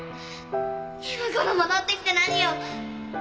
今頃戻ってきて何よ。